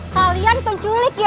kalian penculik ya